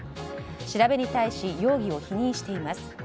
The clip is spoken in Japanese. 調べに対し容疑を否認しています。